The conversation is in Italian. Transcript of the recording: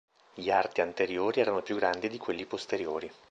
Gli arti anteriori erano più grandi di quelli posteriori.